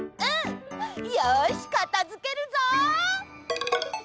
よしかたづけるぞ！